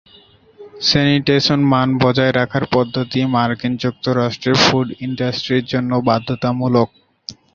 Sanitation মান বজায় রাখার পদ্ধতি মার্কিন যুক্তরাষ্ট্রের ফুড ইন্ডাস্ট্রির জন্য বাধ্যতামূলক।